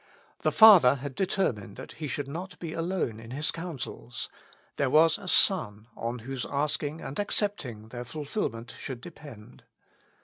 The Father had de termined that He should not be alone in His coun sels; there was a Son on whose asking and accepting their fulfilment should depend.